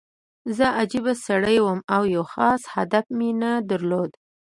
زه عجیبه سړی وم او یو خاص هدف مې نه درلود